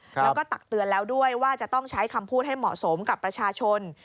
แล้วก็ตักเตือนแล้วด้วยว่าจะต้องใช้คำพูดให้เหมาะสมกับประชาชน